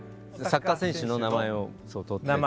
サッカー選手の名前を取って。